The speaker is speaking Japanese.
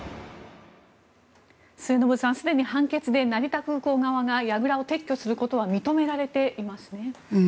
末延さん、すでに判決で成田空港側がやぐらを撤去することは認められていますね。